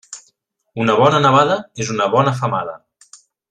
Una bona nevada és una bona femada.